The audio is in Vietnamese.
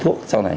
thuốc chống đông